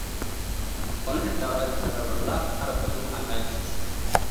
Gwamnatin ta bada sanarwar zaʻa ƙara kuɗin haraji.